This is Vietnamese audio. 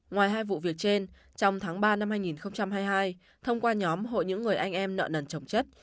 ngoài hai vụ việc trên trong tháng ba năm hai nghìn hai mươi hai thông qua nhóm hội những người anh em nợ nần trồng chất